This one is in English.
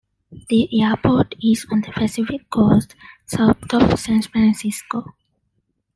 The airport is on the Pacific Coast, south of San Francisco.